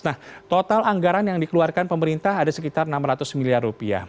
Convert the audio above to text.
nah total anggaran yang dikeluarkan pemerintah ada sekitar enam ratus miliar rupiah